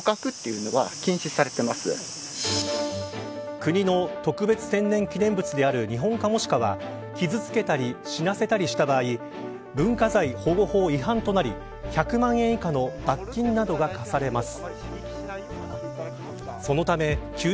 国の特別天然記念物であるニホンカモシカは傷つけたり死なせたりした場合文化財保護法違反となり１００万円以下の罰金などが科せられます。